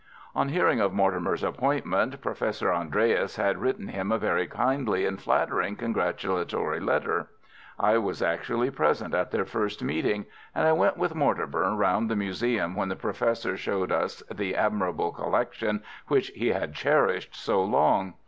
On hearing of Mortimer's appointment Professor Andreas had written him a very kindly and flattering congratulatory letter. I was actually present at their first meeting, and I went with Mortimer round the museum when the Professor showed us the admirable collection which he had cherished so long.